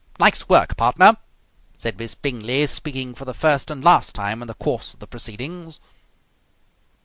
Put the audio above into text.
"Nice work, partner," said Miss Bingley, speaking for the first and last time in the course of the proceedings.